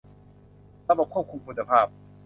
ระบบควบคุมคุณภาพ